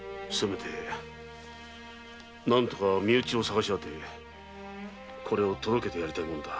何とか身内を捜しあてこれを届けてやりたいものだ。